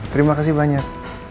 terima kasih banyak